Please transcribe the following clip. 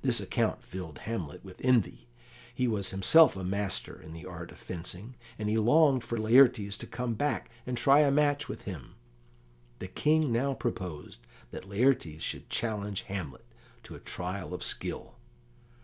This account filled Hamlet with envy; he was himself a master in the art of fencing, and he longed for Laertes to come back and try a match with him. The King now proposed that Laertes should challenge Hamlet to a trial of skill.